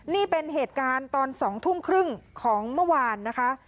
นี่เป็นเหตุการณ์ตอน๒ทุ่มครึ่งของเมื่อวานนะคะ